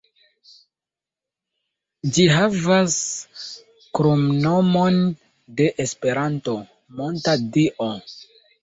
Ĝi havas kromnomon de Esperanto, "Monta Dio".